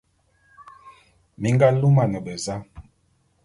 Mi nga lumane beza?